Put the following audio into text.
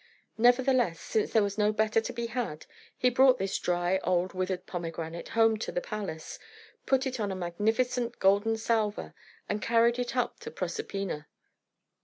Nevertheless, since there was no better to be had, he brought this dry, old, withered pomegranate home to the palace, put it on a magnificent golden salver, and carried it up to Proserpina.